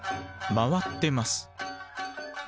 回ってます！